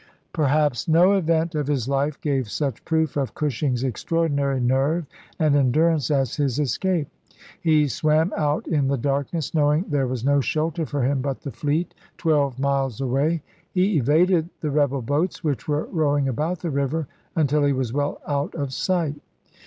Perhaps no event of his life gave such proof of Cushing's extraordinary nerve and endurance as his escape. He swam out in the darkness, knowing there was no shelter for him but the fleet, twelve Vol. X.— 4 50 ABRAHAM LINCOLN chap. ii. miles away. He evaded the rebel boats which were rowing about the river until he was well out of sight.